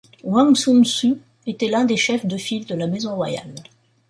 Wangsun Su était un des chefs de file de la maison royale.